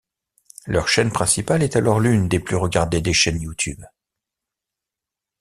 Leur chaîne principale est alors l'une des plus regardées des chaînes YouTube.